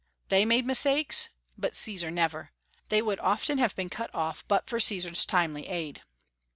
They made mistakes, but Caesar never. They would often have been cut off but for Caesar's timely aid.